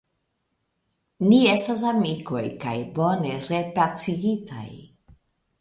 Ni estas amikoj kaj bone repacigitaj.